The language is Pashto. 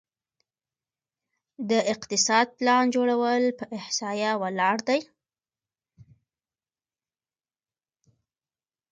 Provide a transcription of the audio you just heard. د اقتصاد پلان جوړول په احصایه ولاړ دي؟